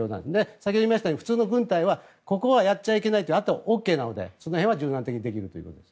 先ほど言いましたように普通の軍隊はここはやっちゃいけないというあとはＯＫなのでそこは柔軟的にできると。